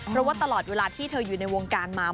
เพราะว่าตลอดเวลาที่เธออยู่ในวงการมา